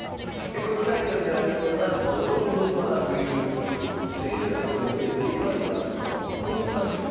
でこのタイトルにあるような泥沼流ということで米長先生といえばこの泥沼流が。